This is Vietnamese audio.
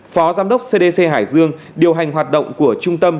phó giám đốc cdc hải dương điều hành hoạt động của trung tâm